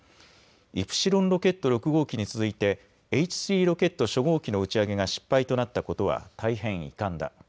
イプシロンロケット６号機に続いってＨ３ロケット初号機の打ち上げが失敗となったことは大変遺憾だ。